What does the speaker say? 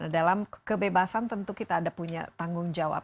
dalam kebebasan tentu kita ada punya tanggung jawab